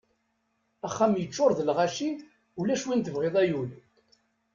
Axxam yeččuṛ d lɣaci ulac win tebɣiḍ ay ul!